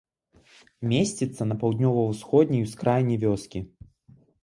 Месціцца на паўднёва-усходняй ускраіне вёскі.